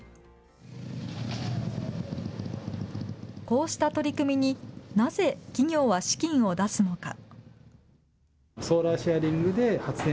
こうした取り組みになぜ企業は資金を出すのか。